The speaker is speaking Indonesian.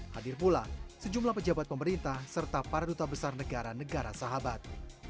hadir pula sejumlah pejabat pemerintah serta para duta besar negara negara sahabat